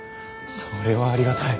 それはありがたい。